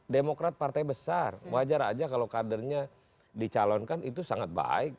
demokrat partai besar wajar aja kalau kadernya dicalonkan itu sangat baik